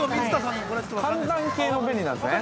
◆簡単系の便利なんですね。